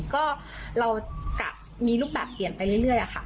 ก็เรากลับมีรูปแบบเปลี่ยนไปเรื่อยค่ะ